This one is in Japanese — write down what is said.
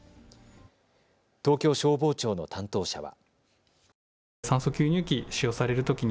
東京消防庁の担当者は。